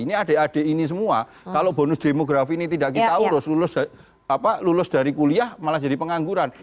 ini adik adik ini semua kalau bonus demografi ini tidak kita urus lulus lulus dari kuliah malah jadi pengangguran